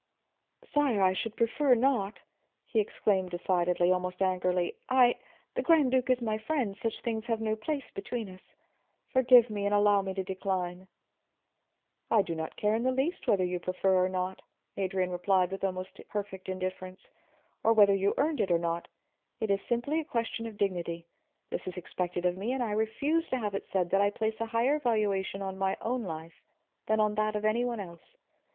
"Sire, I should prefer not!" he exclaimed decidedly, almost angrily. "I the Grand Duke is my friend; such things have no place between us. Forgive me, and allow me to decline." "I do not care in the least whether you prefer or not," Adrian replied, with the most perfect indifference. "Or whether you earned it or not. It is simply a question of dignity. This is expected of me, and I refuse to have it said that I place a higher valuation on my own life than on that of any one else.